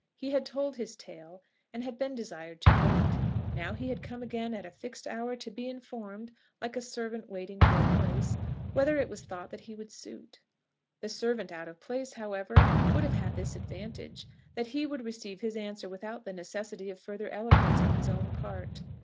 He had told his tale, and had been desired to wait. Now he had come again at a fixed hour to be informed like a servant waiting for a place whether it was thought that he would suit. The servant out of place, however, would have had this advantage, that he would receive his answer without the necessity of further eloquence on his own part.